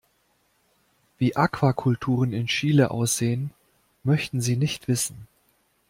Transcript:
Wie Aquakulturen in Chile aussehen, möchten Sie nicht wissen.